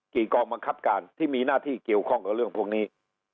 กองบังคับการที่มีหน้าที่เกี่ยวข้องกับเรื่องพวกนี้